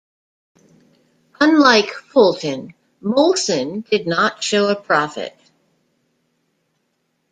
Unlike Fulton, Molson did not show a profit.